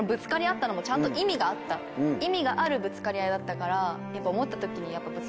意味があるぶつかり合いだったから。と思いました。